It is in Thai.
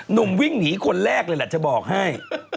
หนุ่มวิ่งหนีคนแรกเลยแหละจะบอกให้